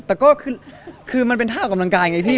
แต่ก็คือมันเป็นท่าออกกำลังกายไงพี่